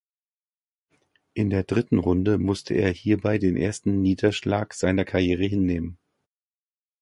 In der dritten Runde musste er hierbei den ersten Niederschlag seiner Karriere hinnehmen.